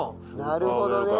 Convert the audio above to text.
なるほどね。